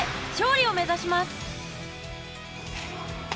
うりを目指します。